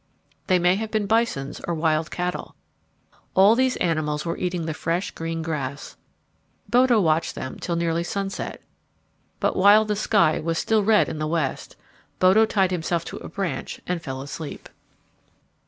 They may have been bisons or wild cattle. All these animals were eating the fresh green grass. Bodo watched them till nearly sunset. But while the sky was still red in the west, Bodo tied himself to a branch and fell asleep.